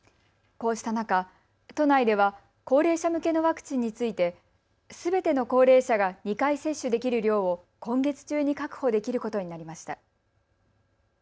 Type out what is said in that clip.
こうした中、都内では高齢者向けのワクチンについてすべての高齢者が２回接種できる量を今月中に確保できることになりました。